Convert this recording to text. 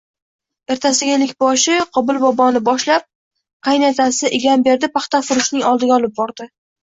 Ertasiga ellikboshi Qobil boboni boshlab qaynatasiegamberdi paxtafurushning oldiga olib bordi